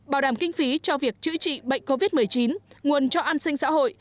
bảo đảm kinh phí cho việc chữa trị bệnh covid một mươi chín nguồn cho an sinh xã hội